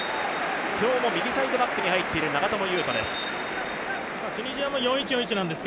今日も右サイドバックに入っている長友佑都です。